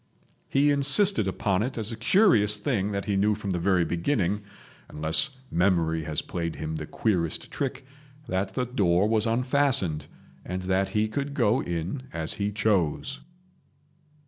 He insisted upon it as a curious thing that he knew from the very beginning—unless memory has played him the queerest trick—that the door was unfastened, and that he could go in as he chose.